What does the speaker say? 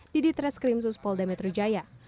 di treskrim suspol dan metro jaya